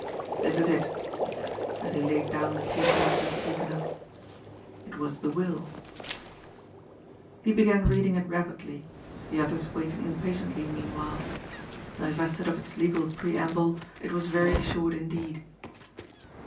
'' This is it," he said, as he laid down the paper he had just taken up. It was the wilL He began reading it rapidly, the others waiting im patiently meanwhile. Divested of its legal preamble it was very short indeed.